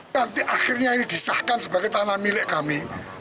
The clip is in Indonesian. nanti akhirnya ini disahkan sebagai tanah milik kami